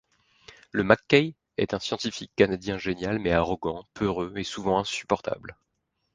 Le Mckay est un scientifique canadien génial mais arrogant, peureux et souvent insupportable.